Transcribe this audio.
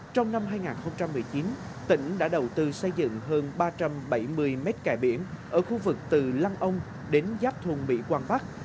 trong năm hai nghìn một mươi chín tỉnh đã đầu tư xây dựng hơn ba trăm bảy mươi mét kè biển ở khu vực từ lăng ông đến giáp thôn mỹ quang bắc